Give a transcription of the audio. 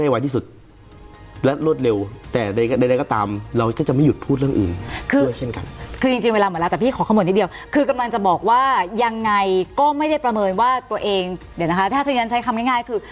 ว่าตัวเองเดี๋ยวนะคะถ้าจริงใช้คำง่ายคือ